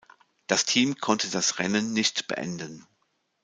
Das Team konnte das Rennen nicht beenden.